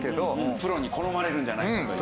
プロに好まれるんじゃないかという。